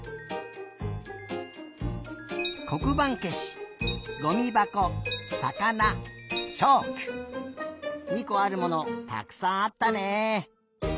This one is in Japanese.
こくばんけしごみばこさかなチョーク２こあるものたくさんあったね！